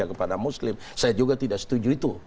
tapi ya kepada muslim saya juga tidak setuju itu